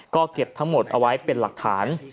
ก็เก็บทั้งหมดเอาไว้เป็นหลักฐาน